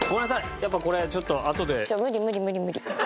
やっぱこれちょっとあとで。